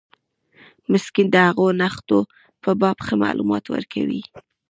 مسکین د هغو نښتو په باب ښه معلومات ورکړي.